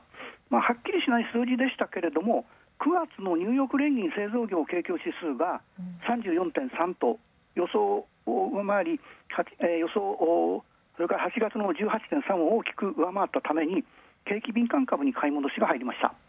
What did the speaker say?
はっきりしない数字でしたけど、９月のニューヨーク連銀製造業景況指数が３４．３と予想を上回り、８月の１８．３を大きくうわまったために景気敏感株に買戻し。